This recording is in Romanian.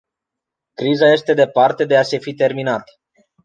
Criza este departe de a se fi terminat.